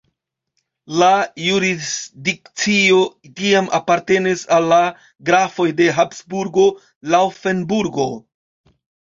La jurisdikcio tiam apartenis al la Grafoj de Habsburgo-Laŭfenburgo.